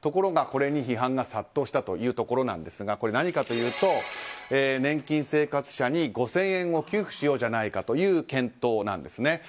ところがこれに批判が殺到したというところなんですが何かというと、年金生活者に５０００円を給付しようじゃないかという検討なんですね。